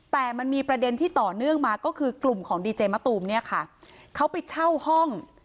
แต่มันมีประเด็นที่ต่อเนื่องมาก็คือกลุ่มของดีเจมะตูมเนี่ยค่ะเขาไปเช่าห้อง